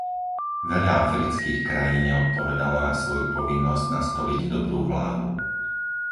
Veľa afrických krajín neodpovedalo na svoju povinnosť nastoliť dobrú vládu.